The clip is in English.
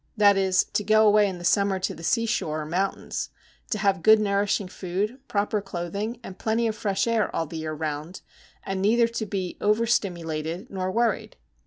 That is, to go away in the summer to the seashore or mountains, to have good nourishing food, proper clothing, and plenty of fresh air all the year round, and neither to be overstimulated nor worried.